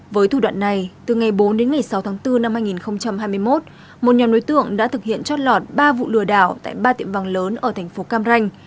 với thủ đoạn này từ ngày bốn đến ngày sáu tháng bốn năm hai nghìn hai mươi một một nhóm đối tượng đã thực hiện chót lọt ba vụ lừa đảo tại ba tiệm vàng lớn ở thành phố cam ranh